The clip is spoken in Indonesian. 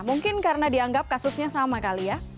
mungkin karena dianggap kasusnya sama kali ya